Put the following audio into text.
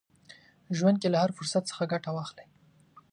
ژوند کې له هر فرصت څخه ګټه واخلئ.